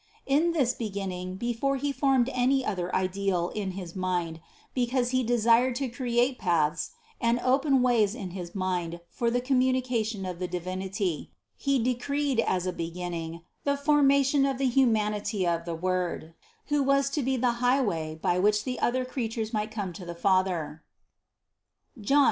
In this beginning, before He formed any other ideal in 64 CITY OF GOD his mind, because He desired to create paths and open ways in his mind for the communication of the Divinity, He decreed, as a beginning, the formation of the hu manity of the Word, who was to be the highway, by which the other creatures might come to the Father (Joan.